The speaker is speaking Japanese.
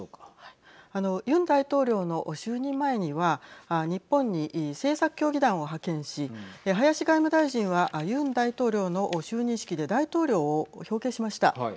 ユン大統領の就任前には日本に政策協議団を派遣し林外務大臣はユン大統領の就任式で大統領を表敬しました。